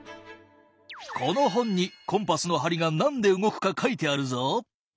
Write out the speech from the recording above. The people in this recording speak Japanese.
この本にコンパスの針が何で動くか書いてあるぞ。